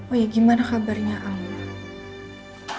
oh ya gimana kabarnya allah